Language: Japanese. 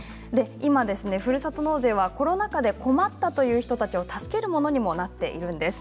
ふるさと納税はコロナ禍で困ったという人たちを助けるものにもなっているんです。